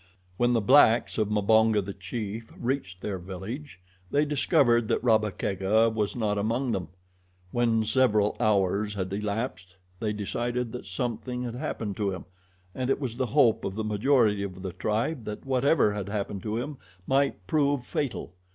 When the blacks of Mbonga, the chief, reached their village they discovered that Rabba Kega was not among them. When several hours had elapsed they decided that something had happened to him, and it was the hope of the majority of the tribe that whatever had happened to him might prove fatal.